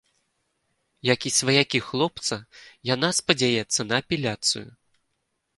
Як і сваякі хлопца, яна спадзяецца на апеляцыю.